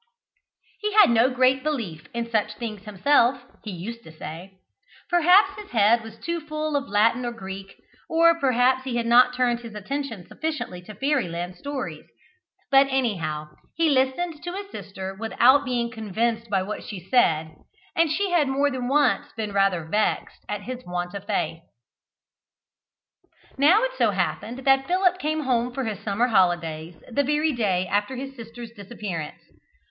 He had no great belief in such things himself, he used to say. Perhaps his head was too full of Latin or Greek, or perhaps he had not turned his attention sufficiently to fairy land stories; but anyhow, he listened to his sister without being convinced by what she said, and she had more than once been rather vexed at his want of faith. Now it so happened that Philip came home for his summer holidays the very day after his sister's disappearance.